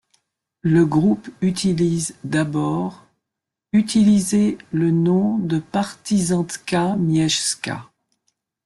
Le groupe utilise d'abord utilisé le nom de Partyzantka Miejska.